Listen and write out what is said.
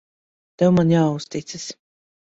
Tev man jāuzticas.